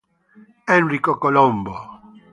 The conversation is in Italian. Enrico Colombo